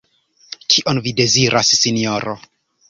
Kion vi deziras, Sinjoro?